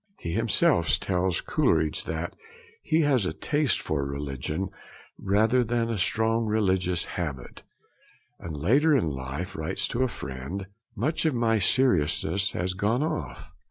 He himself tells Coleridge that he has 'a taste for religion rather than a strong religious habit,' and, later in life, writes to a friend: 'Much of my seriousness has gone off.'